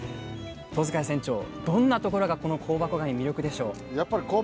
遠塚谷船長、どんなところがこの香箱ガニ、見どころでしょう。